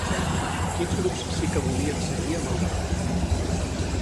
Quins grups sí que volien seguir amb el debat?